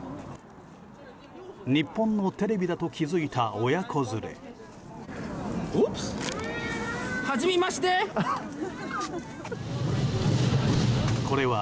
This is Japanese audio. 日本のテレビだと気づいた親子連れ。